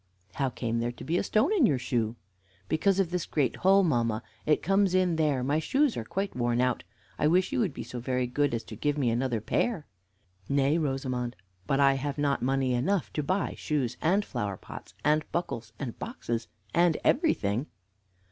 "How came there to be a stone in your shoe?" "Because of this great hole, mamma, it comes in there; my shoes are quite worn out. I wish you would be so very good as to give me another pair." "Nay, Rosamond, but I have not money enough to buy shoes, and flower pots, and buckles, and boxes, and everything."